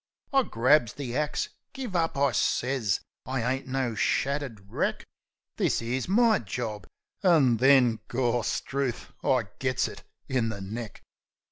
I grabs the axe. "Give up," I sez. "I ain't no shattered wreck. This 'ere's my job." An' then, Gawstruth! I gits it in the neck!